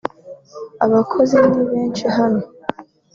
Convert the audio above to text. Abakozi ni benshi hano